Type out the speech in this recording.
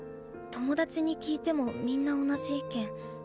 「友達に聞いてもみんな同じ意見」。